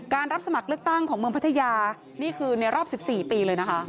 รับสมัครเลือกตั้งของเมืองพัทยานี่คือในรอบ๑๔ปีเลยนะคะ